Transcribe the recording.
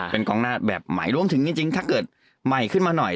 เป็นกองหน้าแบบใหม่รวมถึงจริงถ้าเกิดใหม่ขึ้นมาหน่อย